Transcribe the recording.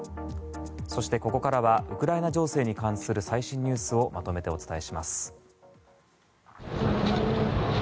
そしてここからはウクライナ情勢に関する最新ニュースをまとめてお伝えします。